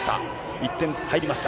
１点入りました。